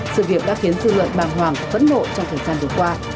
sự việc đã khiến dư luận bàng hoàng phẫn nộ trong thời gian vừa qua